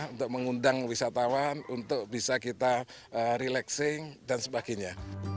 untuk mengundang wisatawan untuk bisa kita relaxing dan sebagainya